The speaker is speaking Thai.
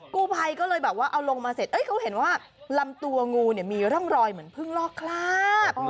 กู้ภัยก็เลยแบบว่าเอาลงมาเสร็จเขาเห็นว่าลำตัวงูเนี่ยมีร่องรอยเหมือนเพิ่งลอกคราบ